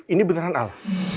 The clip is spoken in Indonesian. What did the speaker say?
ini beneran al